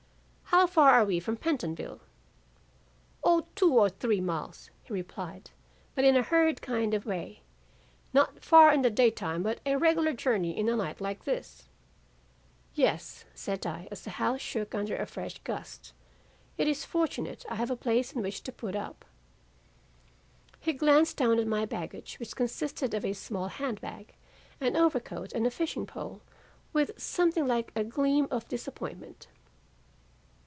'How far are we from Pentonville?' "'O, two or three miles,' he replied, but in a hurried kind of a way. 'Not far in the daytime but a regular journey in a night like this?' "'Yes,' said I, as the house shook under a fresh gust; 'it is fortunate I have a place in which to put up.' "He glanced down at my baggage which consisted of a small hand bag, an over coat and a fishing pole, with something like a gleam of disappointment.